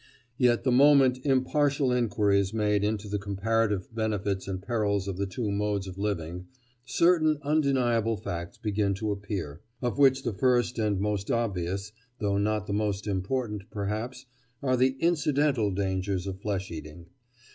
Yet the moment impartial inquiry is made into the comparative benefits and perils of the two modes of living, certain undeniable facts begin to appear, of which the first and most obvious, though not the most important, perhaps, are the incidental dangers of flesh eating.